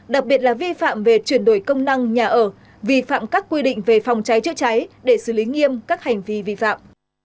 đặc biệt là vi phạm về chuyển đổi công năng nhà ở vi phạm các quy định về phòng cháy chữa cháy để xử lý nghiêm các hành vi vi phạm